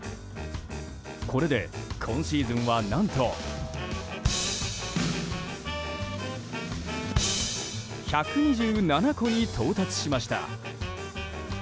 これで今シーズンは何と１２７個に到達しました。